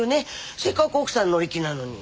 せっかく奥さん乗り気なのに。